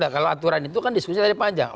kalau aturan itu kan diskusi tadi panjang